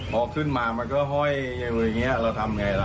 พอขึ้นมามันก็ห้อยอย่างนี้เราทำไงล่ะ